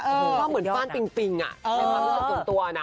อืมฟาดปิ่งอ่ะในความรู้สึกหนุนตัวหน้า